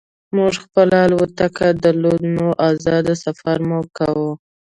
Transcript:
موږ خپله الوتکه درلوده نو ازاد سفر مو کاوه